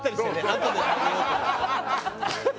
あとで食べようと思って。